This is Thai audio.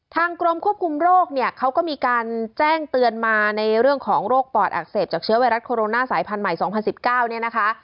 กรมควบคุมโรคเนี่ยเขาก็มีการแจ้งเตือนมาในเรื่องของโรคปอดอักเสบจากเชื้อไวรัสโคโรนาสายพันธุ์ใหม่๒๐๑๙เนี่ยนะคะ